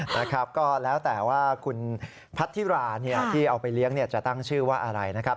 นะครับก็แล้วแต่ว่าคุณพัทธิราที่เอาไปเลี้ยงจะตั้งชื่อว่าอะไรนะครับ